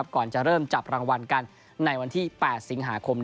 ก่อนจะเริ่มหลังวัลให้จัดการในวันที่๘สิงหาคม